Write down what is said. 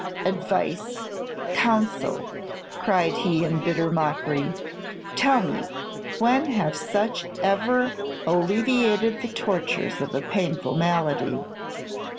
Advice, counsel!" cried he, in bitter mockery, "tell me, when have such ever alleviated the tortures of a painful malady?